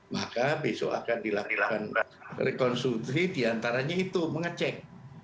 maka besok akan dilakukan rekonstruksi diantaranya itu mengecek